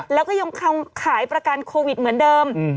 แล้วก็ยังขายประกันโควิดเหมือนเดิม